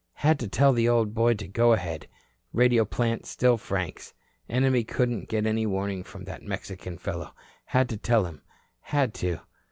Had to tell the old boy to go ahead radio plant still Frank's enemy couldn't get any warning from that Mexican fellow had to tell him, had to.